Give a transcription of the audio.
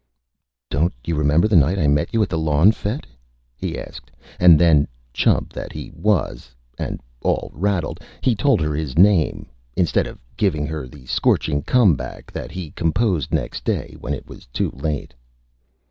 "Don't you remember the night I met you at the Lawn Fête?" he asked; and then, Chump that he was, and all Rattled, he told her his Name, instead of giving her the scorching Come Back that he composed next Day, when it was Too Late.